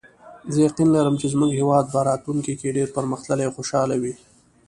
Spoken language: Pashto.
زه یقین لرم چې زموږ هیواد به راتلونکي کې ډېر پرمختللی او خوشحاله وي